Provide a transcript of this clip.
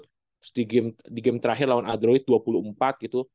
terus di game terakhir lawan android dua puluh empat gitu